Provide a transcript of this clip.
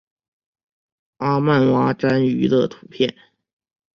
阿曼蛙蟾鱼的图片